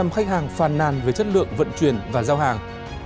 hai mươi năm khách hàng phàn nàn về chất lượng vận chuyển và giao hàng